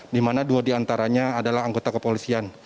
di mana dua diantaranya adalah anggota kepolisian